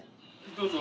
どうぞ。